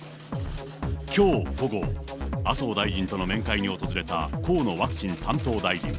きょう午後、麻生大臣との面会に訪れた河野ワクチン担当大臣。